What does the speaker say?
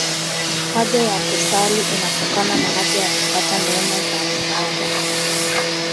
Haja ya kusali inatokana na haja ya kupata neema za msaada.